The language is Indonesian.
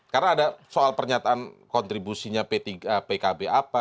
karena ada soal pernyataan kontribusinya pkb apa